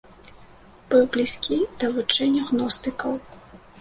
Быў блізкі да вучэння гностыкаў.